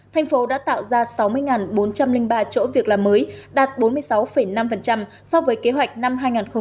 thành phố đã tạo ra sáu mươi bốn trăm linh ba chỗ việc làm mới đạt bốn mươi sáu năm so với kế hoạch năm hai nghìn một mươi chín